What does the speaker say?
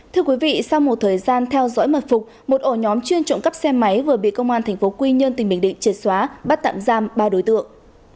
thưa quý vị sau một thời gian theo dõi mật phục một ổ nhóm chuyên trộm cắp xe máy vừa bị công an tp quy nhơn tỉnh bình định triệt xóa bắt tạm giam ba đối tượng